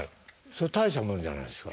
それは大したもんじゃないですか。